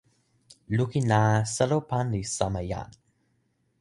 lukin la, selo pan li sama jan.